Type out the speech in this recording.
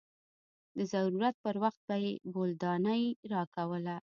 د ضرورت پر وخت به يې بولدانۍ راکوله.